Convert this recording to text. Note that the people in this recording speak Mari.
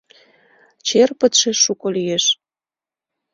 — Черпытше шуко лиеш...